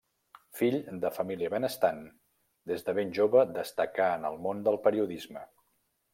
Fill de família benestant, des de ben jove destacà en el món del periodisme.